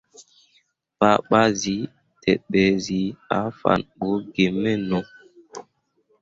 Fah ɓa zǝ deɓe zǝ ah fan bu gimeno.